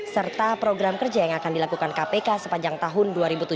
serta program kerja yang akan dilakukan kpk sepanjang tahun dua ribu tujuh belas